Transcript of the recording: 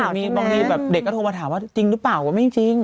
บางทีแบบเด็กก็โทรมาถามว่าจริงหรือเปล่าก็ไม่จริง